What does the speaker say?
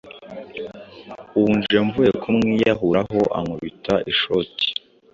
ubu nje mvuye kumwiyahuraho ankubita ishoti,